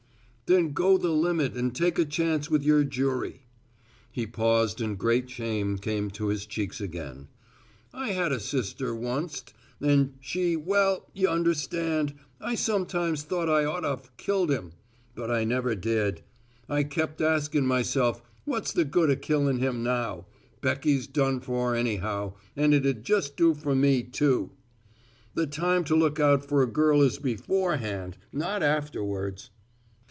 "Then go the limit and take a chance with your jury." He paused and great shame came to his cheeks again. "I had a sister, oncet ... and she, well y' understand.... I sometimes thought I oughta of killed him ... but I never did ... I kept askin' myself 'what's the good of killing him now? Becky's done for anyhow, and it'd just do for me, too.' ... The time to look out for a girl is beforehand, not afterwards."